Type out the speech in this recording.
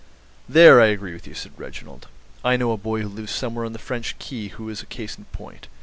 "There I agree with you," said Reginald. "I know a boy who lives somewhere on the French Quay who is a case in point.